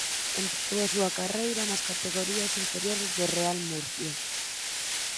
Empezou a súa carreira nas categorías inferiores do Real Murcia.